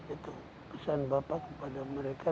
itu pesan bapak kepada mereka